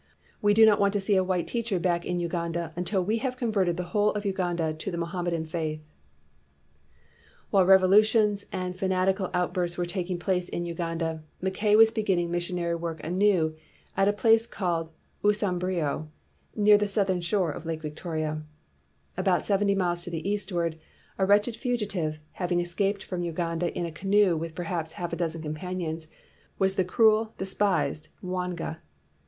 "We do not want to see a white teacher back again in Uganda until we have converted the whole of Uganda to the Mo hammedan faith '.'' While revolutions and fanatical out bursts were taking place in Uganda, Mackay was beginning missionary work anew at a place called Usambiro, near the southern shore of Victoria Lake. About seventy miles to the eastward, a wretched fugitive, having escaped from Uganda in a canoe with perhaps half a dozen companions, was the cruel, despised Mwan ga.